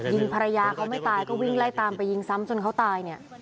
ยิงภรรยาเขาไม่ตายก็วิ่งไล่ตามไปยิงซ้ำจนเขาตายเนี่ย